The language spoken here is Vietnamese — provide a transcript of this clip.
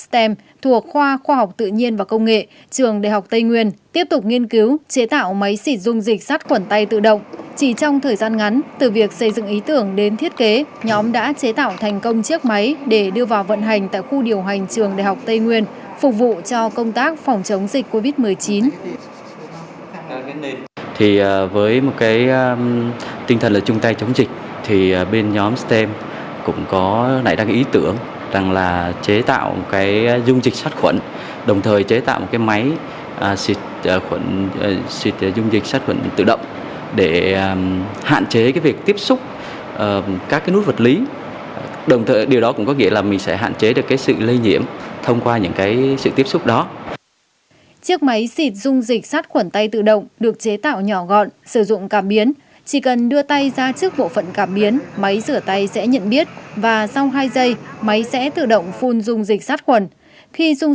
trong thời gian ngắn từ việc xây dựng ý tưởng đến thiết kế nhóm đã chế tạo thành công chiếc máy để đưa vào vận hành tại khu điều hành tại khu điều hành tại khu điều hành tại khu điều hành tại khu điều hành tại khu